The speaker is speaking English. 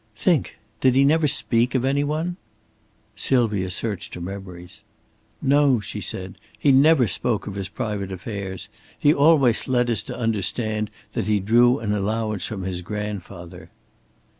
"Think! Did he never speak of any one?" Sylvia searched her memories. "No," she said. "He never spoke of his private affairs. He always led us to understand that he drew an allowance from his grandfather."